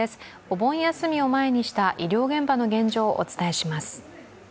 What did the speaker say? お盆休みを前にした医療現場の現状をお伝えします。